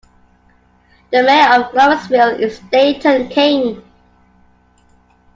The mayor of Gloversville is Dayton King.